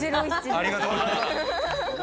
ありがとうございます。